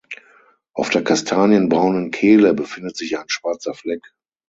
Auf der kastanienbraunen Kehle befindet sich ein schwarzer Fleck.